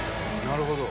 なるほど！